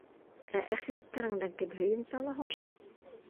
— Ә әхирәттәреңдән кем һөйөнсө ала һуң?